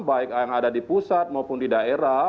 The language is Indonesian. baik yang ada di pusat maupun di daerah